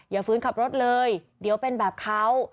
อย่าฟื้นขับรถเลยเดี๋ยวเป็นแบบเขา